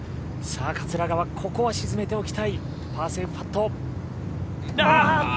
桂川、ここは沈めておきたいパーセーブパット。